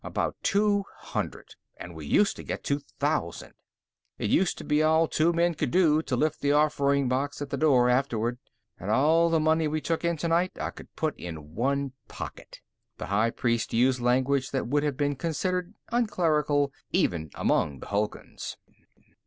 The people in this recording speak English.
About two hundred, and we used to get two thousand. It used to be all two men could do to lift the offering box at the door, afterward, and all the money we took in tonight I could put in one pocket!" The high priest used language that would have been considered unclerical even among the Hulguns.